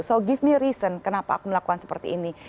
so give me reason kenapa aku melakukan seperti ini